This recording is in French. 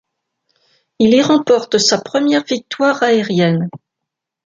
Il y remporte sa première victoire aérienne.